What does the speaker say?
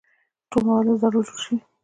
ټول مواد له ذرو جوړ شوي.